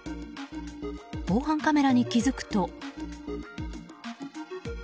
防犯カメラに気付くと。